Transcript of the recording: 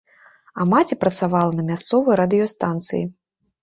А маці працавала на мясцовай радыёстанцыі.